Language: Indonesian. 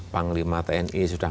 panglima tni sudah